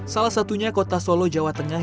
salah satunya kota solo jawa tengah